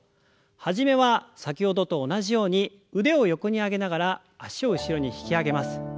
始めは先ほどと同じように腕を横に上げながら脚を後ろに引き上げます。